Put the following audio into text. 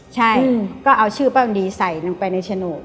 ใช่ก็เอาชื่อป้าวันดีใส่ลงไปในโฉนด